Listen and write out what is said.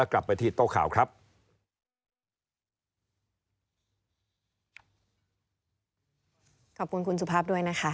ขอบคุณครับ